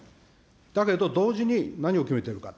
だけど、同時に何を決めているか。